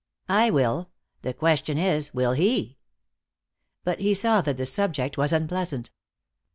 "I will. The question is, will he?" But he saw that the subject was unpleasant.